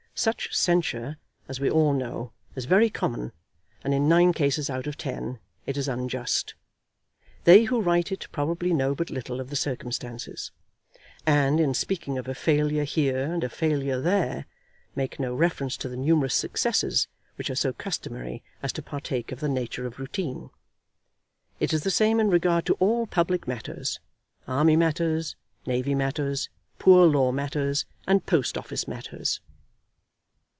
Such censure, as we all know, is very common, and in nine cases out of ten it is unjust. They who write it probably know but little of the circumstances; and, in speaking of a failure here and a failure there, make no reference to the numerous successes, which are so customary as to partake of the nature of routine. It is the same in regard to all public matters, army matters, navy matters, poor law matters, and post office matters.